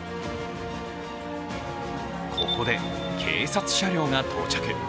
ここで警察車両が到着。